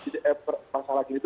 jadi gini masalah ini